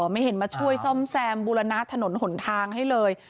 ไม่มีได้ช่วยส้อมแซมบุรณรถถนนหล่มทางให้เลย